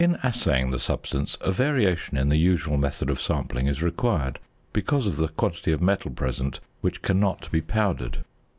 In assaying the substance, a variation in the usual method of sampling is required, because of the quantity of metal present which cannot be powdered.